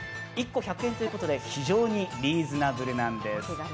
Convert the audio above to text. １個１００円ということで非常にリーズナブルなんです。